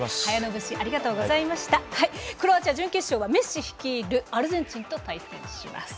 クロアチア、準決勝はメッシ率いるアルゼンチンと対戦します。